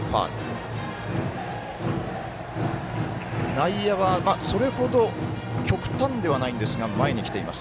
内野はそれほど極端ではないんですが前に来ています。